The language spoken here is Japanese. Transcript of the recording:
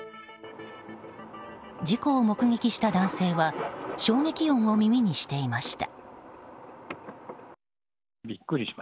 事故を目撃した男性は衝撃音を耳にしていました。